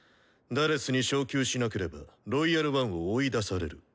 「４」に昇級しなければ「ロイヤル・ワン」を追い出される。